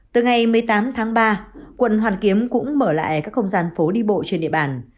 từ ngày một mươi tám tháng ba quận hoàn kiếm cũng mở lại các không gian phố đi bộ trên địa bàn